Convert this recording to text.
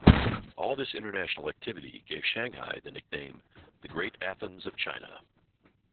All this international activity gave Shanghai the nickname "the Great Athens of China".